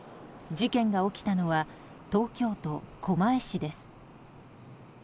事件が起きたのは東京都狛江市です。